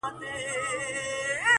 • زورورو د کمزورو برخي وړلې -